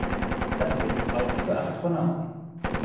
Das gilt auch für Astronauten.